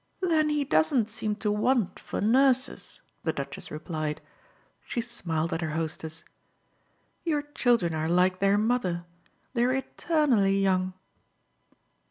"Then he doesn't seem to want for nurses!" the Duchess replied. She smiled at her hostess. "Your children are like their mother they're eternally young."